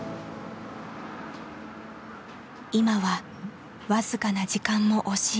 今は僅かな時間も惜しい。